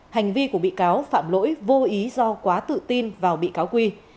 hành vi của bị cáo phạm lỗi vô ý do quá tự tin vào bị cáo quy